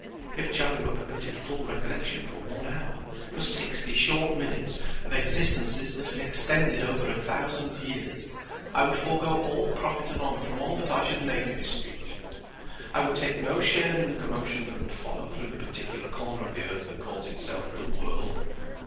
If Charlie were permitted full recollection for one hour—for sixty short minutes—of existences that had extended over a thousand years—I would forego all profit and honor from all that I should make of his speech. I would take no share in the commotion that would follow throughout the particular corner of the earth that calls itself "the world."